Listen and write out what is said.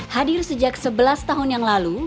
hadir sejak sebelas tahun yang lalu